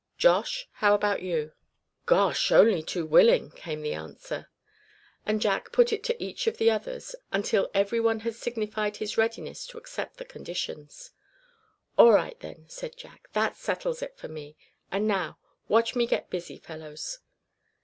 "Josh, how about you?" "Gosh! only too willing," came the answer. And Jack put it up to each of the others, until every one had signified his readiness to accept the conditions. "All right, then," said Jack, "that settles it for me. And now, watch me get busy, fellows."